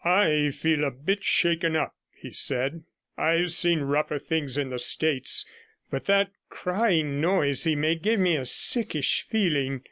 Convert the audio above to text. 'I feel a bit shaken up,' he said. I've seen rougher things in the States, but that crying noise he made gave me a sickish feeling.